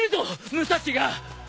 武蔵が！